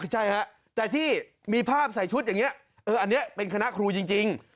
ใช่ฮะแต่ที่มีภาพใส่ชุดอย่างนี้อันนี้เป็นคณะครูจริง